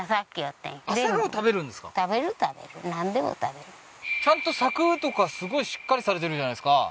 うんちゃんと柵とかすごいしっかりされてるじゃないですか